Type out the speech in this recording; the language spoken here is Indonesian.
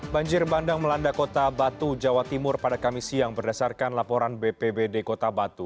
banjir bandang melanda kota batu jawa timur pada kamis siang berdasarkan laporan bpbd kota batu